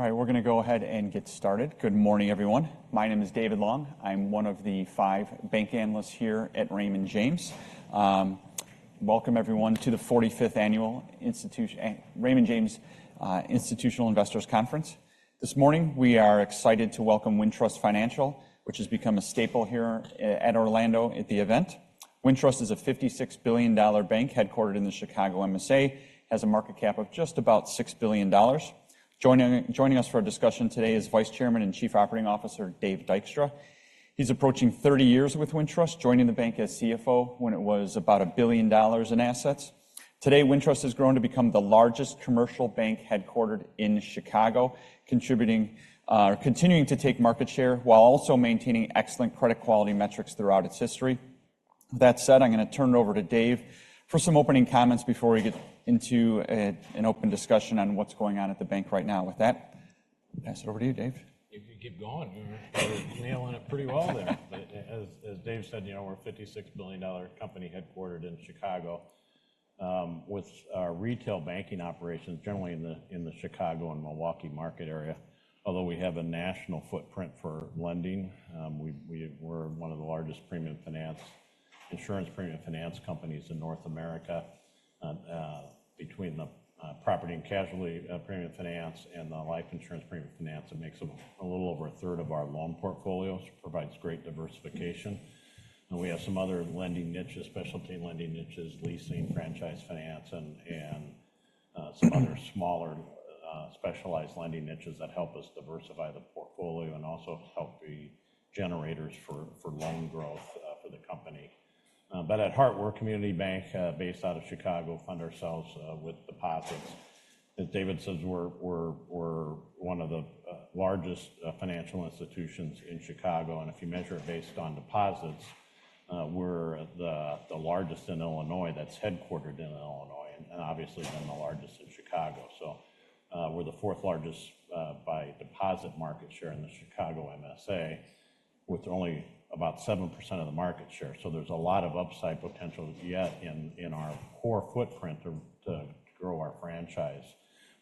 All right, we're going to go ahead and get started. Good morning, everyone. My name is David Long. I'm one of the five bank analysts here at Raymond James. Welcome, everyone, to the 45th annual Raymond James Institutional Investors Conference. This morning, we are excited to welcome Wintrust Financial, which has become a staple here at Orlando at the event. Wintrust is a $56 billion bank headquartered in the Chicago MSA, has a market cap of just about $6 billion. Joining us for our discussion today is Vice Chairman and Chief Operating Officer Dave Dykstra. He's approaching 30 years with Wintrust, joining the bank as CFO when it was about $1 billion in assets. Today, Wintrust has grown to become the largest commercial bank headquartered in Chicago, continuing to take market share while also maintaining excellent credit quality metrics throughout its history. With that said, I'm going to turn it over to Dave for some opening comments before we get into an open discussion on what's going on at the bank right now. With that, pass it over to you, Dave. You keep going. You're nailing it pretty well there. As Dave said, we're a $56 billion company headquartered in Chicago with retail banking operations, generally in the Chicago and Milwaukee market area. Although we have a national footprint for lending, we're one of the largest insurance premium finance companies in North America. Between the property and casualty premium finance and the life insurance premium finance, it makes up a little over a third of our loan portfolios, provides great diversification. And we have some other lending niches, specialty lending niches, leasing, franchise finance, and some other smaller specialized lending niches that help us diversify the portfolio and also help be generators for loan growth for the company. But at heart, we're a community bank based out of Chicago, fund ourselves with deposits. As David says, we're one of the largest financial institutions in Chicago. And if you measure it based on deposits, we're the largest in Illinois. That's headquartered in Illinois, and obviously then the largest in Chicago. So we're the fourth largest by deposit market share in the Chicago MSA, with only about 7% of the market share. So there's a lot of upside potential yet in our core footprint to grow our franchise.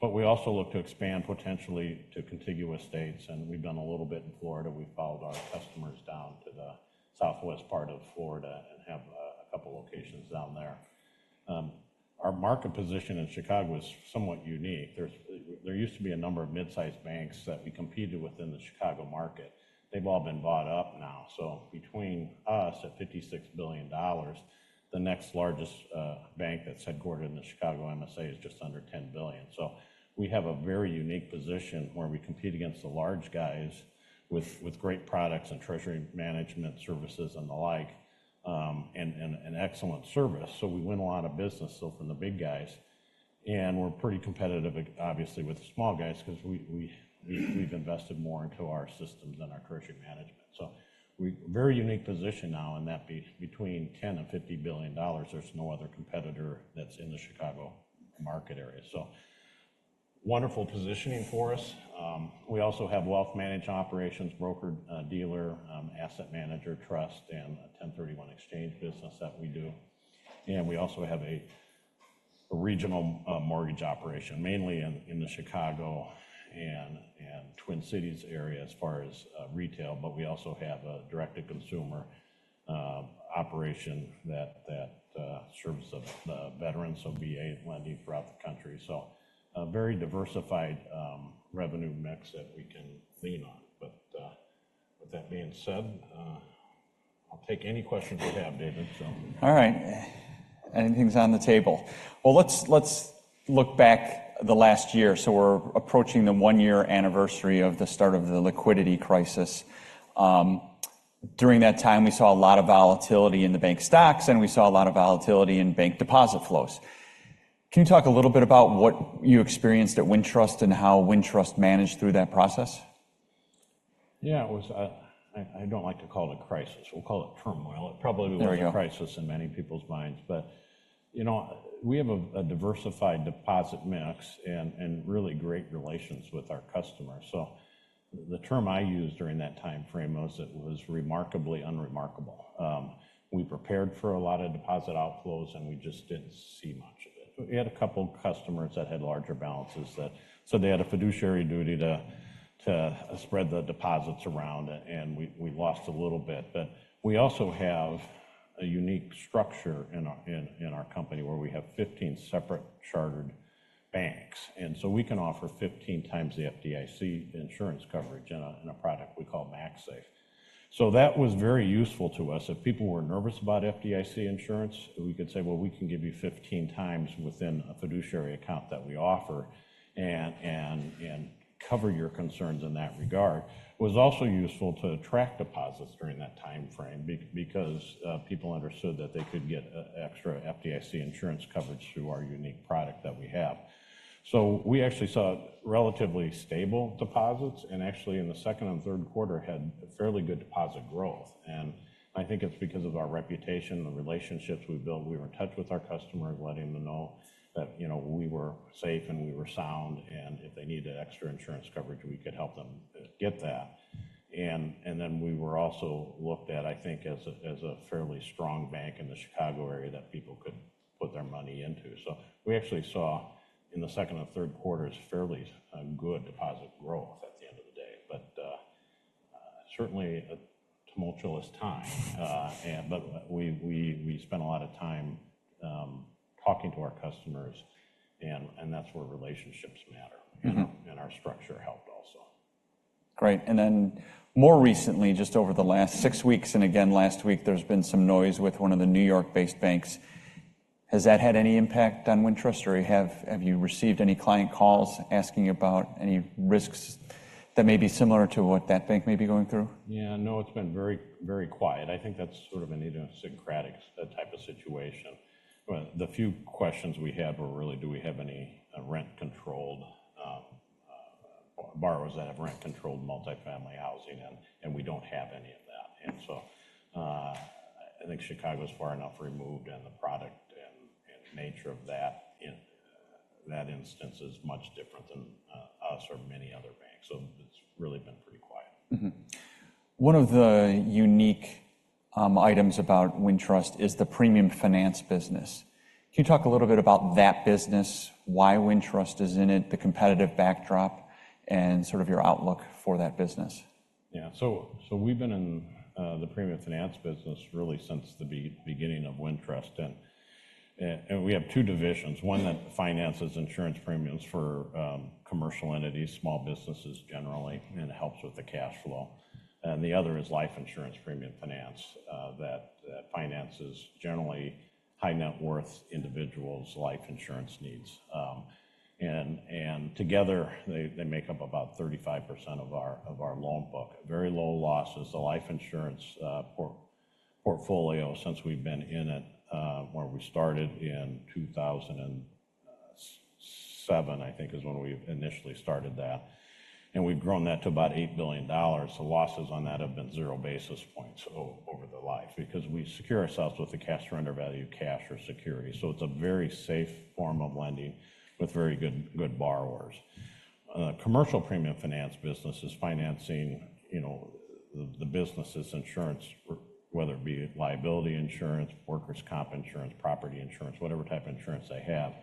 But we also look to expand potentially to contiguous states. And we've done a little bit in Florida. We've followed our customers down to the southwest part of Florida and have a couple of locations down there. Our market position in Chicago is somewhat unique. There used to be a number of midsize banks that we competed with in the Chicago market. They've all been bought up now. So between us at $56 billion, the next largest bank that's headquartered in the Chicago MSA is just under $10 billion. So we have a very unique position where we compete against the large guys with great products and treasury management services and the like, and excellent service. So we win a lot of business, so from the big guys. And we're pretty competitive, obviously, with the small guys because we've invested more into our systems than our treasury management. So very unique position now. And that being between $10 billion-$50 billion, there's no other competitor that's in the Chicago market area. So wonderful positioning for us. We also have Wealth Management Operations, broker-dealer, asset manager, trust, and a 1031 Exchange business that we do. And we also have a regional mortgage operation, mainly in the Chicago and Twin Cities area as far as retail. But we also have a direct-to-consumer operation that serves the veterans, so VA Lending throughout the country. A very diversified revenue mix that we can lean on. But with that being said, I'll take any questions you have, David, so. All right. Anything's on the table. Well, let's look back the last year. So we're approaching the one-year anniversary of the start of the liquidity crisis. During that time, we saw a lot of volatility in the bank stocks, and we saw a lot of volatility in bank deposit flows. Can you talk a little bit about what you experienced at Wintrust and how Wintrust managed through that process? Yeah. I don't like to call it a crisis. We'll call it turmoil. It probably would be a crisis in many people's minds. But we have a diversified deposit mix and really great relations with our customers. So the term I used during that time frame was it was remarkably unremarkable. We prepared for a lot of deposit outflows, and we just didn't see much of it. We had a couple of customers that had larger balances. So they had a fiduciary duty to spread the deposits around, and we lost a little bit. But we also have a unique structure in our company where we have 15 separate chartered banks. And so we can offer 15x the FDIC insurance coverage in a product we call MaxSafe. So that was very useful to us. If people were nervous about FDIC insurance, we could say, "Well, we can give you 15x within a fiduciary account that we offer and cover your concerns in that regard." It was also useful to attract deposits during that time frame because people understood that they could get extra FDIC insurance coverage through our unique product that we have. So we actually saw relatively stable deposits and actually, in the second and third quarter, had fairly good deposit growth. And I think it's because of our reputation, the relationships we built. We were in touch with our customers, letting them know that we were safe and we were sound. And if they needed extra insurance coverage, we could help them get that. And then we were also looked at, I think, as a fairly strong bank in the Chicago area that people could put their money into. So we actually saw, in the second and third quarters, fairly good deposit growth at the end of the day. But certainly a tumultuous time. But we spent a lot of time talking to our customers, and that's where relationships matter. And our structure helped also. Great. And then more recently, just over the last six weeks and again, last week, there's been some noise with one of the New York-based banks. Has that had any impact on Wintrust, or have you received any client calls asking about any risks that may be similar to what that bank may be going through? Yeah. No, it's been very, very quiet. I think that's sort of an idiosyncratic type of situation. The few questions we had were really, do we have any rent-controlled borrowers that have rent-controlled multifamily housing? And we don't have any of that. And so I think Chicago is far enough removed, and the product and nature of that instance is much different than us or many other banks. So it's really been pretty quiet. One of the unique items about Wintrust is the premium finance business. Can you talk a little bit about that business, why Wintrust is in it, the competitive backdrop, and sort of your outlook for that business? Yeah. So we've been in the premium finance business really since the beginning of Wintrust. And we have two divisions. One that finances insurance premiums for commercial entities, small businesses generally, and helps with the cash flow. And the other is life insurance premium finance that finances generally high-net-worth individuals' life insurance needs. And together, they make up about 35% of our loan book. Very low losses. The life insurance portfolio, since we've been in it, where we started in 2007, I think, is when we initially started that. And we've grown that to about $8 billion. The losses on that have been zero basis points over the life because we secure ourselves with the cash surrender value, cash, or security. So it's a very safe form of lending with very good borrowers. The commercial premium finance business is financing the business's insurance, whether it be liability insurance, workers' comp insurance, property insurance, whatever type of insurance they have.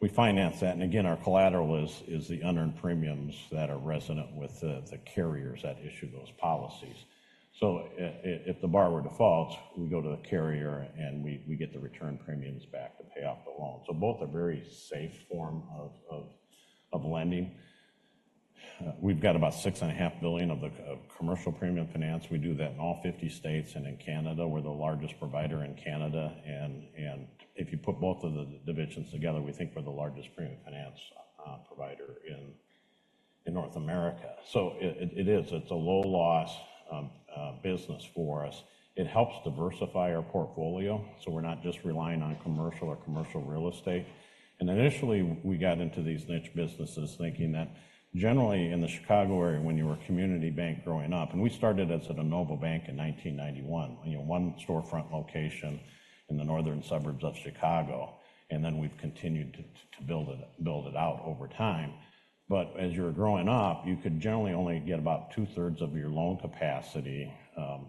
We finance that. And again, our collateral is the unearned premiums that reside with the carriers that issue those policies. So if the borrower defaults, we go to the carrier, and we get the returned premiums back to pay off the loan. So both are very safe forms of lending. We've got about $6.5 billion of the commercial premium finance. We do that in all 50 states. In Canada, we're the largest provider in Canada. If you put both of the divisions together, we think we're the largest premium finance provider in North America. It is. It's a low-loss business for us. It helps diversify our portfolio. So we're not just relying on commercial or commercial real estate. And initially, we got into these niche businesses thinking that generally, in the Chicago area, when you were a community bank growing up and we started as a de novo bank in 1991, one storefront location in the northern suburbs of Chicago. And then we've continued to build it out over time. But as you're growing up, you could generally only get about two-thirds of your loan capacity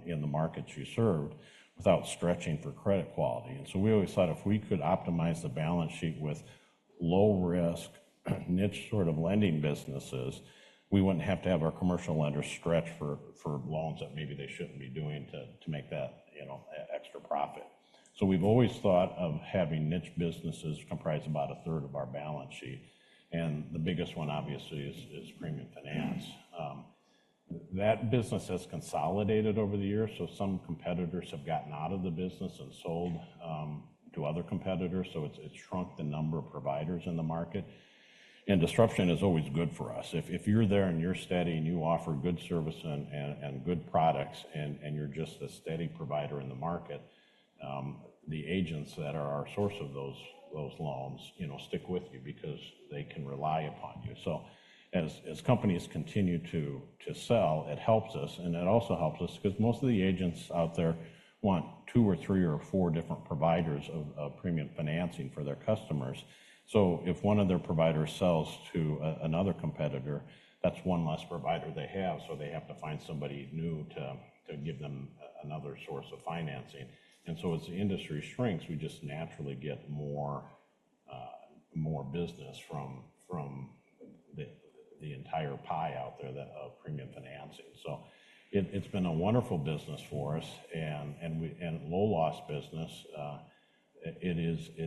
in the markets you served without stretching for credit quality. And so we always thought if we could optimize the balance sheet with low-risk, niche sort of lending businesses, we wouldn't have to have our commercial lenders stretch for loans that maybe they shouldn't be doing to make that extra profit. So we've always thought of having niche businesses comprise about a third of our balance sheet. And the biggest one, obviously, is premium finance. That business has consolidated over the years. So some competitors have gotten out of the business and sold to other competitors. So it's shrunk the number of providers in the market. And disruption is always good for us. If you're there and you're steady and you offer good service and good products, and you're just a steady provider in the market, the agents that are our source of those loans stick with you because they can rely upon you. So as companies continue to sell, it helps us. And it also helps us because most of the agents out there want two or three or four different providers of premium financing for their customers. So if one of their providers sells to another competitor, that's one less provider they have. So they have to find somebody new to give them another source of financing. And so as the industry shrinks, we just naturally get more business from the entire pie out there of premium financing. So it's been a wonderful business for us. And low-loss business, it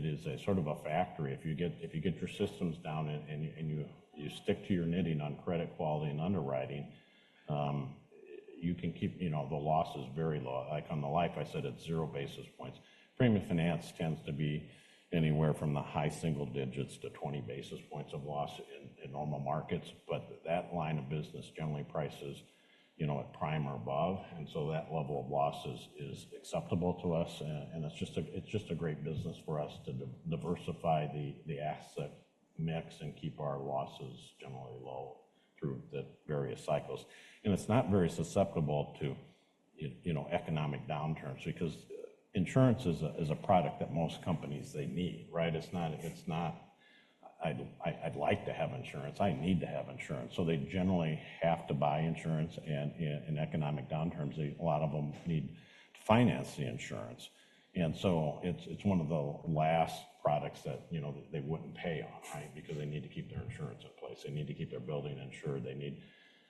is sort of a factory. If you get your systems down and you stick to your knitting on credit quality and underwriting, you can keep the losses very low. On the life, I said it's zero basis points. Premium finance tends to be anywhere from the high single digits to 20 basis points of loss in normal markets. But that line of business generally prices at prime or above. And so that level of loss is acceptable to us. And it's just a great business for us to diversify the asset mix and keep our losses generally low through the various cycles. It's not very susceptible to economic downturns because insurance is a product that most companies, they need, right? It's not, "I'd like to have insurance. I need to have insurance." So they generally have to buy insurance. And in economic downturns, a lot of them need to finance the insurance. And so it's one of the last products that they wouldn't pay on, right, because they need to keep their insurance in place. They need to keep their building insured. They need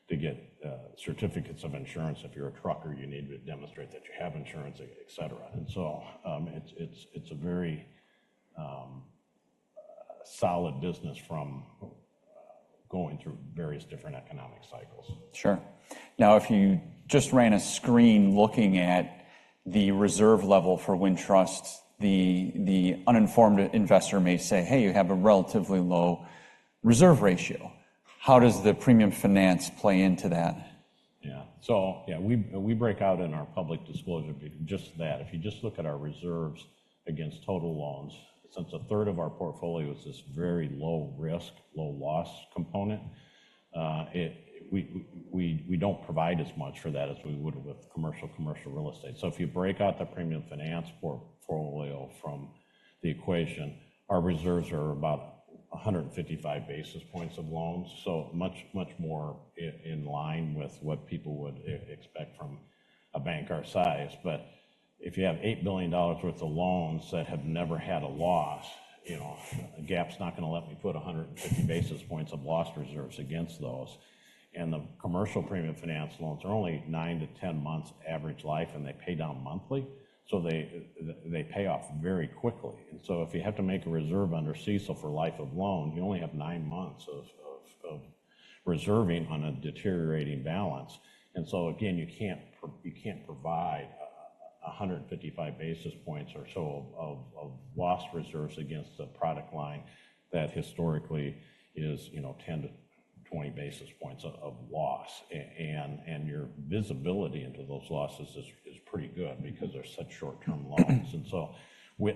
to get certificates of insurance. If you're a trucker, you need to demonstrate that you have insurance, etc. And so it's a very solid business from going through various different economic cycles. Sure. Now, if you just ran a screen looking at the reserve level for Wintrust, the uninformed investor may say, "Hey, you have a relatively low reserve ratio." How does the premium finance play into that? Yeah. So yeah, we break out in our public disclosure just that. If you just look at our reserves against total loans, since a third of our portfolio is this very low-risk, low-loss component, we don't provide as much for that as we would with commercial real estate. So if you break out the premium finance portfolio from the equation, our reserves are about 155 basis points of loans, so much, much more in line with what people would expect from a bank our size. But if you have $8 billion worth of loans that have never had a loss, GAAP's not going to let me put 150 basis points of lost reserves against those. And the commercial premium finance loans are only 9-10 months average life, and they pay down monthly. So they pay off very quickly. If you have to make a reserve under CECL for life of loan, you only have nine months of reserving on a deteriorating balance. And so again, you can't provide 155 basis points or so of loss reserves against a product line that historically is 10 basis points-20 basis points of loss. And your visibility into those losses is pretty good because they're such short-term loans. And so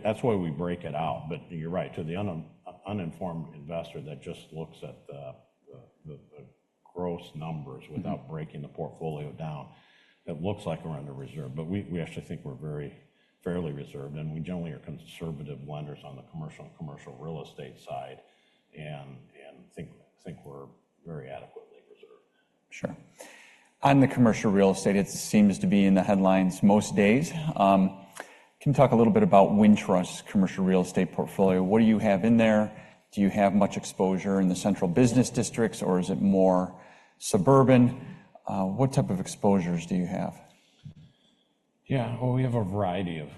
that's why we break it out. But you're right. To the uninformed investor that just looks at the gross numbers without breaking the portfolio down, it looks like we're under-reserved. But we actually think we're fairly reserved. And we generally are conservative lenders on the commercial real estate side and think we're very adequately reserved. Sure. On the commercial real estate, it seems to be in the headlines most days. Can you talk a little bit about Wintrust's commercial real estate portfolio? What do you have in there? Do you have much exposure in the central business districts, or is it more suburban? What type of exposures do you have? Yeah. Well, we have a variety of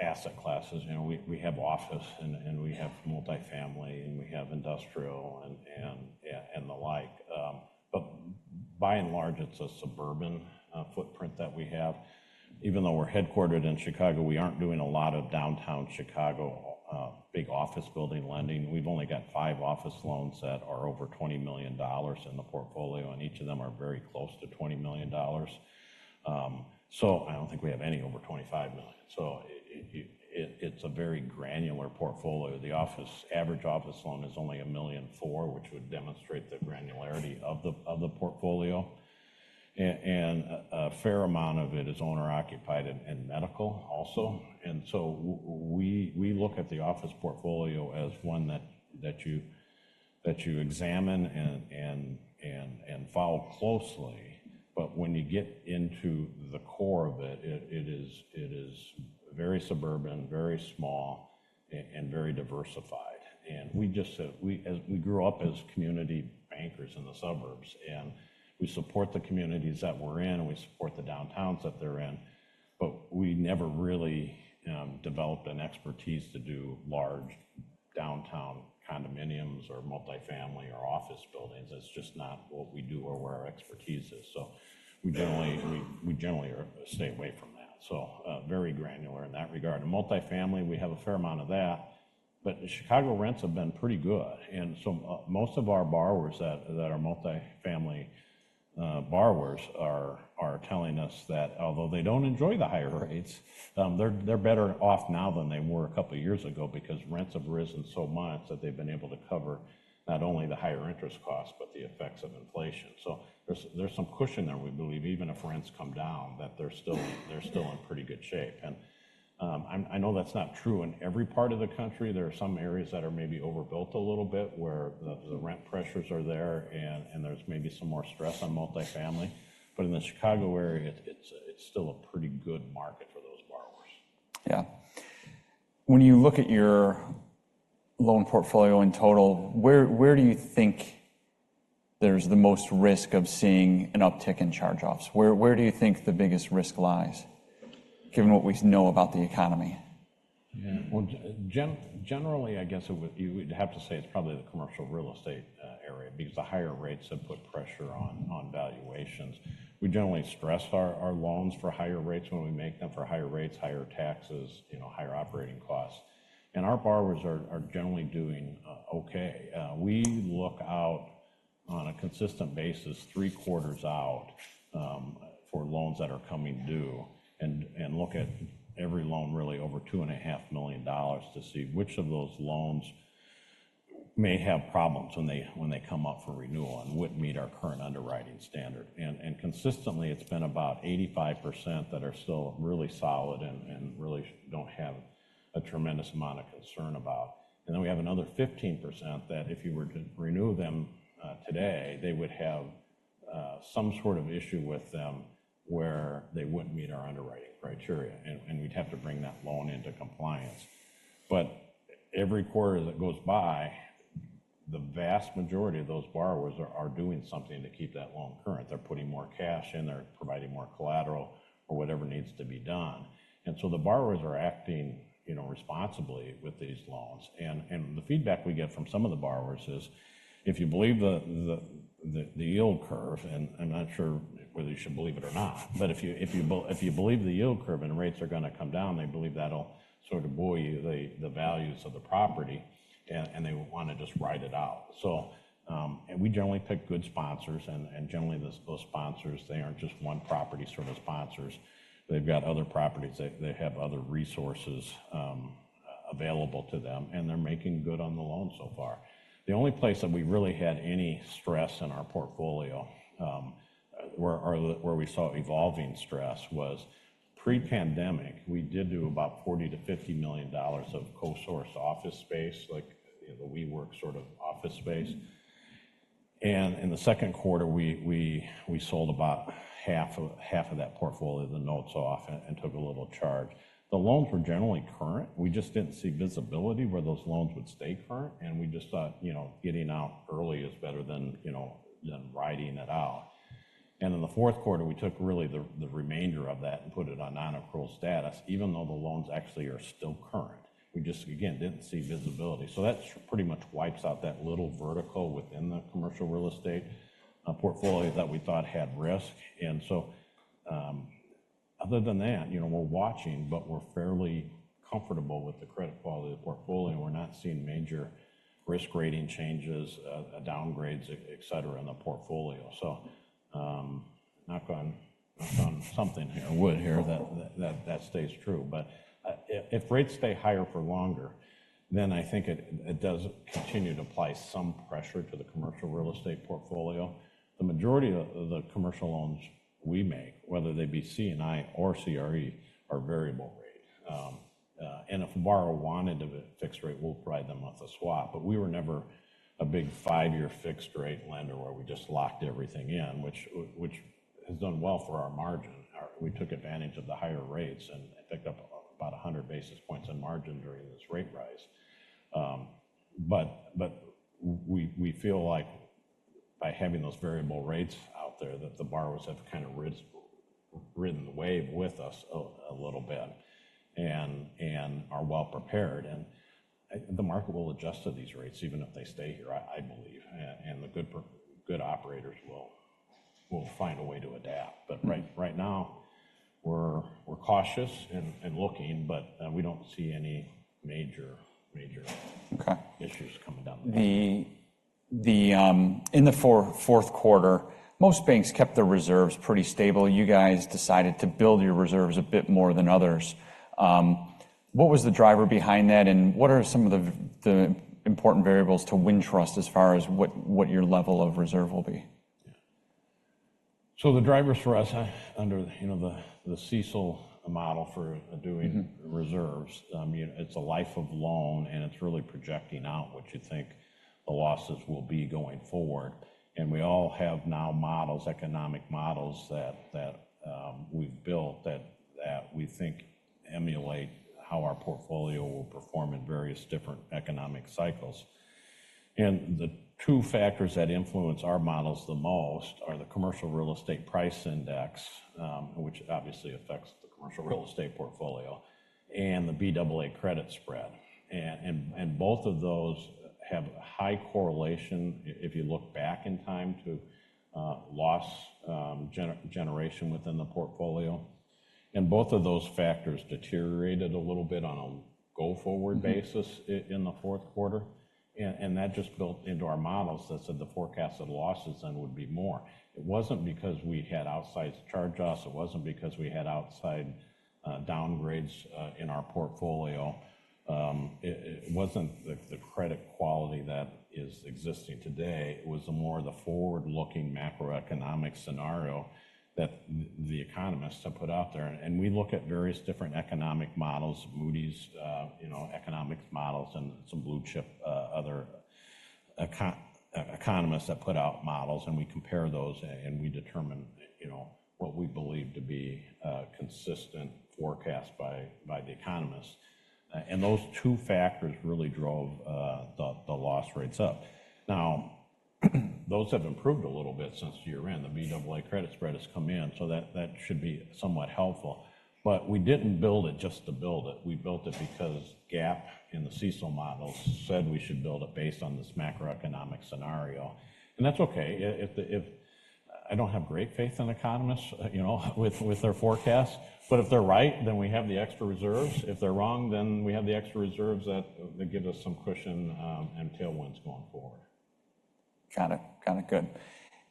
asset classes. We have office, and we have multifamily, and we have industrial and the like. But by and large, it's a suburban footprint that we have. Even though we're headquartered in Chicago, we aren't doing a lot of downtown Chicago big office building lending. We've only got 5 office loans that are over $20 million in the portfolio, and each of them are very close to $20 million. So I don't think we have any over $25 million. So it's a very granular portfolio. The average office loan is only $1.04 million, which would demonstrate the granularity of the portfolio. And a fair amount of it is owner-occupied and medical also. And so we look at the office portfolio as one that you examine and follow closely. When you get into the core of it, it is very suburban, very small, and very diversified. We grew up as community bankers in the suburbs. We support the communities that we're in, and we support the downtowns that they're in. But we never really developed an expertise to do large downtown condominiums or multifamily or office buildings. That's just not what we do or where our expertise is. We generally stay away from that. Very granular in that regard. Multifamily, we have a fair amount of that. But Chicago rents have been pretty good. And so most of our borrowers that are multifamily borrowers are telling us that although they don't enjoy the higher rates, they're better off now than they were a couple of years ago because rents have risen so much that they've been able to cover not only the higher interest costs but the effects of inflation. So there's some cushion there, we believe, even if rents come down, that they're still in pretty good shape. And I know that's not true in every part of the country. There are some areas that are maybe overbuilt a little bit where the rent pressures are there, and there's maybe some more stress on multifamily. But in the Chicago area, it's still a pretty good market for those borrowers. Yeah. When you look at your loan portfolio in total, where do you think there's the most risk of seeing an uptick in charge-offs? Where do you think the biggest risk lies, given what we know about the economy? Yeah. Well, generally, I guess you would have to say it's probably the commercial real estate area because the higher rates have put pressure on valuations. We generally stress our loans for higher rates when we make them, for higher rates, higher taxes, higher operating costs. And our borrowers are generally doing okay. We look out on a consistent basis, three-quarters out, for loans that are coming due and look at every loan, really, over $2.5 million to see which of those loans may have problems when they come up for renewal and wouldn't meet our current underwriting standard. And consistently, it's been about 85% that are still really solid and really don't have a tremendous amount of concern about. And then we have another 15% that if you were to renew them today, they would have some sort of issue with them where they wouldn't meet our underwriting criteria. And we'd have to bring that loan into compliance. But every quarter that goes by, the vast majority of those borrowers are doing something to keep that loan current. They're putting more cash in. They're providing more collateral or whatever needs to be done. And so the borrowers are acting responsibly with these loans. And the feedback we get from some of the borrowers is, "If you believe the yield curve" and I'm not sure whether you should believe it or not. But if you believe the yield curve and rates are going to come down, they believe that'll sort of buoy the values of the property, and they want to just ride it out. And we generally pick good sponsors. And generally, those sponsors, they aren't just one property sort of sponsors. They've got other properties. They have other resources available to them, and they're making good on the loan so far. The only place that we really had any stress in our portfolio where we saw evolving stress was pre-pandemic. We did do about $40 million-$50 million of co-sourced office space, the WeWork sort of office space. In the second quarter, we sold about half of that portfolio to [NSO] and took a little charge. The loans were generally current. We just didn't see visibility where those loans would stay current. We just thought getting out early is better than riding it out. In the fourth quarter, we took really the remainder of that and put it on non-accrual status, even though the loans actually are still current. We just, again, didn't see visibility. So that pretty much wipes out that little vertical within the commercial real estate portfolio that we thought had risk. And so other than that, we're watching, but we're fairly comfortable with the credit quality of the portfolio. We're not seeing major risk rating changes, downgrades, etc., in the portfolio. So knock on something here, wood here, that stays true. But if rates stay higher for longer, then I think it does continue to apply some pressure to the commercial real estate portfolio. The majority of the commercial loans we make, whether they be C&I or CRE, are variable rate. And if a borrower wanted a fixed rate, we'll provide them with a swap. But we were never a big 5-year fixed-rate lender where we just locked everything in, which has done well for our margin. We took advantage of the higher rates and picked up about 100 basis points in margin during this rate rise. But we feel like by having those variable rates out there, that the borrowers have kind of ridden the wave with us a little bit and are well prepared. And the market will adjust to these rates, even if they stay here, I believe. And the good operators will find a way to adapt. But right now, we're cautious and looking, but we don't see any major issues coming down the road. In the fourth quarter, most banks kept their reserves pretty stable. You guys decided to build your reserves a bit more than others. What was the driver behind that? And what are some of the important variables to Wintrust as far as what your level of reserve will be? Yeah. So the drivers for us under the CECL model for doing reserves, it's a life of loan, and it's really projecting out what you think the losses will be going forward. And we all have now models, economic models that we've built that we think emulate how our portfolio will perform in various different economic cycles. And the two factors that influence our models the most are the Commercial Real Estate Price Index, which obviously affects the commercial real estate portfolio, and the Baa credit spread. And both of those have high correlation, if you look back in time, to loss generation within the portfolio. And both of those factors deteriorated a little bit on a go-forward basis in the fourth quarter. And that just built into our models that said the forecasted losses then would be more. It wasn't because we had outside charge-offs. It wasn't because we had outside downgrades in our portfolio. It wasn't the credit quality that is existing today. It was more the forward-looking macroeconomic scenario that the economists have put out there. And we look at various different economic models, Moody's economic models, and some blue-chip other economists that put out models. And we compare those, and we determine what we believe to be a consistent forecast by the economists. And those two factors really drove the loss rates up. Now, those have improved a little bit since year-end. The BAA credit spread has come in, so that should be somewhat helpful. But we didn't build it just to build it. We built it because GAAP and the CECL models said we should build it based on this macroeconomic scenario. And that's okay. I don't have great faith in economists with their forecasts. But if they're right, then we have the extra reserves. If they're wrong, then we have the extra reserves that give us some cushion and tailwinds going forward. Got it. Got it. Good.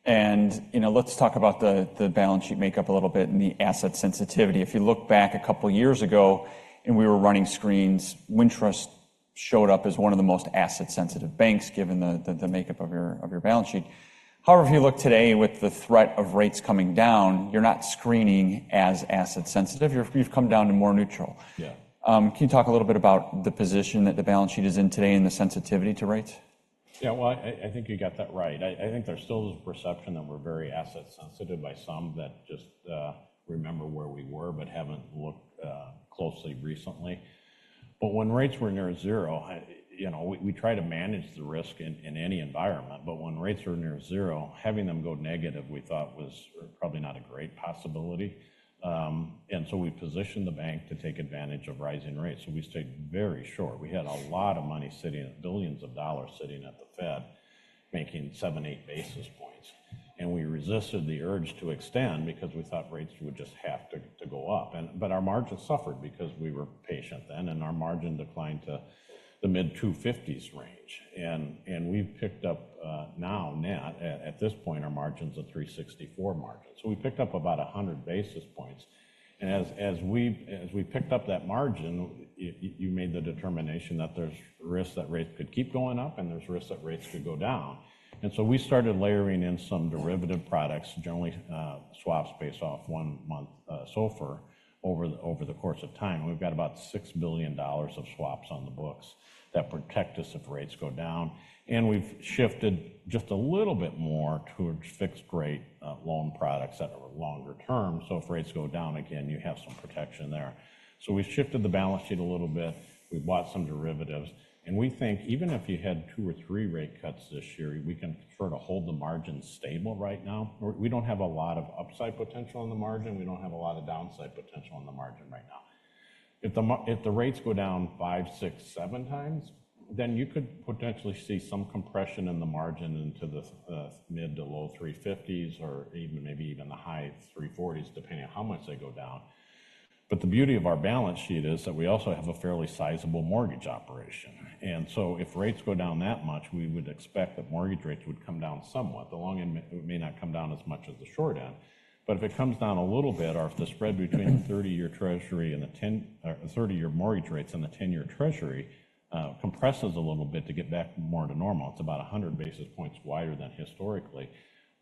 And let's talk about the balance sheet makeup a little bit and the asset sensitivity. If you look back a couple of years ago and we were running screens, Wintrust showed up as one of the most asset-sensitive banks, given the makeup of your balance sheet. However, if you look today with the threat of rates coming down, you're not screening as asset-sensitive. You've come down to more neutral. Can you talk a little bit about the position that the balance sheet is in today and the sensitivity to rates? Yeah. Well, I think you got that right. I think there's still this perception that we're very asset-sensitive by some that just remember where we were but haven't looked closely recently. But when rates were near zero, we try to manage the risk in any environment. But when rates were near zero, having them go negative, we thought, was probably not a great possibility. And so we positioned the bank to take advantage of rising rates. So we stayed very short. We had a lot of money sitting, billions of dollars sitting at the Fed making 7, 8 basis points. And we resisted the urge to extend because we thought rates would just have to go up. But our margins suffered because we were patient then, and our margin declined to the mid-250s range. And we've picked up now net. At this point, our margin's a 364 margin. So we picked up about 100 basis points. As we picked up that margin, you made the determination that there's risk that rates could keep going up, and there's risk that rates could go down. So we started layering in some derivative products, generally swaps based off one-month SOFR over the course of time. We've got about $6 billion of swaps on the books that protect us if rates go down. We've shifted just a little bit more towards fixed-rate loan products that are longer term. So if rates go down again, you have some protection there. We've shifted the balance sheet a little bit. We've bought some derivatives. We think even if you had 2 or 3 rate cuts this year, we can sort of hold the margin stable right now. We don't have a lot of upside potential in the margin. We don't have a lot of downside potential in the margin right now. If the rates go down 5, 6, 7 times, then you could potentially see some compression in the margin into the mid- to low-350s or maybe even the high-340s, depending on how much they go down. But the beauty of our balance sheet is that we also have a fairly sizable mortgage operation. And so if rates go down that much, we would expect that mortgage rates would come down somewhat. The long end may not come down as much as the short end. But if it comes down a little bit, or if the spread between the 30-year Treasury and the 30-year mortgage rates and the 10-year Treasury compresses a little bit to get back more to normal, it's about 100 basis points wider than historically.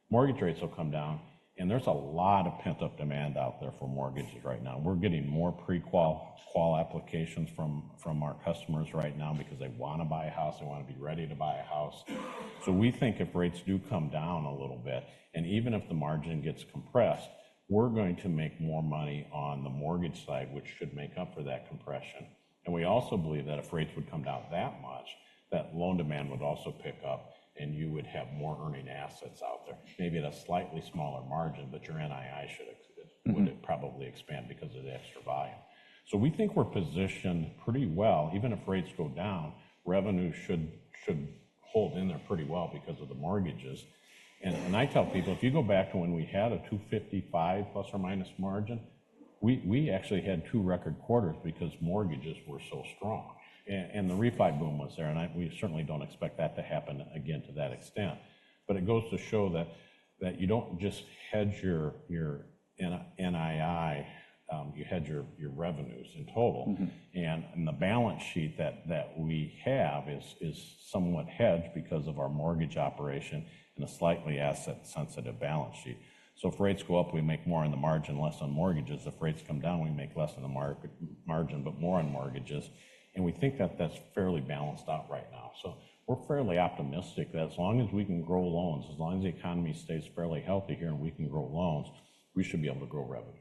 Mortgage rates will come down. There's a lot of pent-up demand out there for mortgages right now. We're getting more pre-qualifications from our customers right now because they want to buy a house. They want to be ready to buy a house. We think if rates do come down a little bit, and even if the margin gets compressed, we're going to make more money on the mortgage side, which should make up for that compression. We also believe that if rates would come down that much, that loan demand would also pick up, and you would have more earning assets out there, maybe at a slightly smaller margin, but your NII would probably expand because of the extra volume. We think we're positioned pretty well. Even if rates go down, revenue should hold in there pretty well because of the mortgages. I tell people, "If you go back to when we had a 255 ± margin, we actually had two record quarters because mortgages were so strong. And the refi boom was there. And we certainly don't expect that to happen again to that extent." But it goes to show that you don't just hedge your NII. You hedge your revenues in total. And the balance sheet that we have is somewhat hedged because of our mortgage operation and a slightly asset-sensitive balance sheet. So if rates go up, we make more on the margin, less on mortgages. If rates come down, we make less on the margin but more on mortgages. And we think that that's fairly balanced out right now. So we're fairly optimistic that as long as we can grow loans, as long as the economy stays fairly healthy here and we can grow loans, we should be able to grow revenues,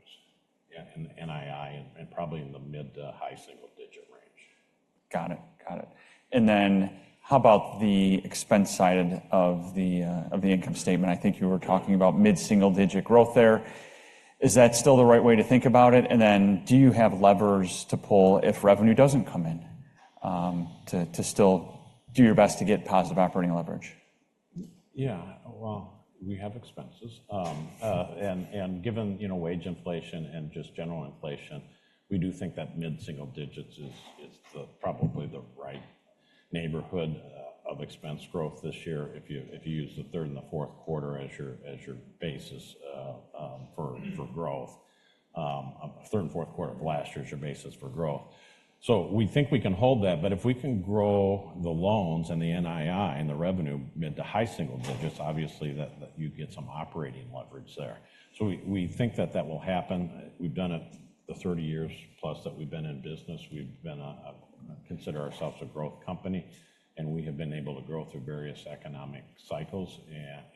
NII, and probably in the mid to high single-digit range. Got it. Got it. And then how about the expense side of the income statement? I think you were talking about mid-single-digit growth there. Is that still the right way to think about it? And then do you have levers to pull if revenue doesn't come in to still do your best to get positive operating leverage? Yeah. Well, we have expenses. Given wage inflation and just general inflation, we do think that mid-single digits is probably the right neighborhood of expense growth this year if you use the third and the fourth quarter as your basis for growth. Third and fourth quarter of last year is your basis for growth. So we think we can hold that. But if we can grow the loans and the NII and the revenue mid to high single digits, obviously, that you get some operating leverage there. So we think that that will happen. We've done it the 30+ years that we've been in business. We've considered ourselves a growth company. And we have been able to grow through various economic cycles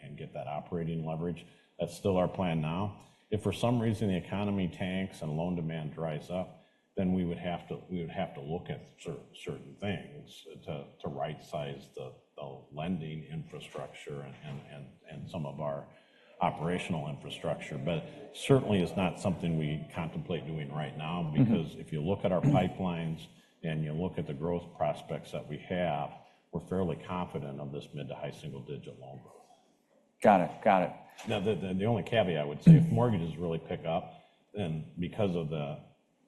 and get that operating leverage. That's still our plan now. If for some reason the economy tanks and loan demand dries up, then we would have to look at certain things to right-size the lending infrastructure and some of our operational infrastructure. But certainly, it's not something we contemplate doing right now because if you look at our pipelines and you look at the growth prospects that we have, we're fairly confident of this mid- to high single-digit loan growth. Got it. Got it. Now, the only caveat I would say, if mortgages really pick up, then because of the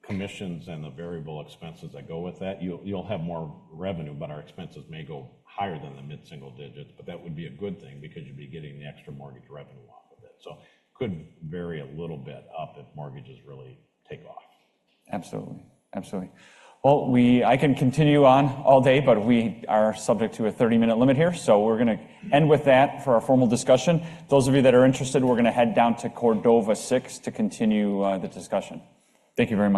commissions and the variable expenses that go with that, you'll have more revenue. But our expenses may go higher than the mid-single digits. But that would be a good thing because you'd be getting the extra mortgage revenue off of it. So could vary a little bit up if mortgages really take off. Absolutely. Absolutely. Well, I can continue on all day, but we are subject to a 30-minute limit here. So we're going to end with that for our formal discussion. Those of you that are interested, we're going to head down to Cordova 6 to continue the discussion. Thank you very much.